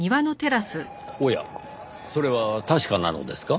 おやそれは確かなのですか？